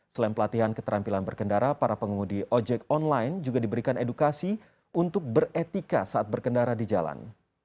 selain pelatihan keterampilan berkendara para pengumudi ojek online juga diberikan edukasi untuk beretika saat berkendara di jalan